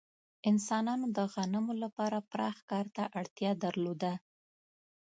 انسانانو د غنمو لپاره پراخ کار ته اړتیا درلوده.